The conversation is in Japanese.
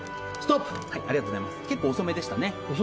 結構遅めでしたね。